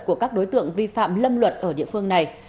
của các đối tượng vi phạm lâm luật ở địa phương này